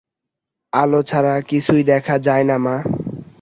আলো ছাড়া কিছুই দেখা যায় না মা।